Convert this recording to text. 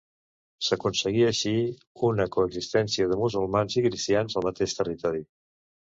S’aconseguia així una coexistència de musulmans i cristians al mateix territori.